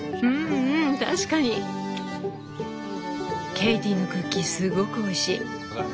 ケイティのクッキーすごくおいしい。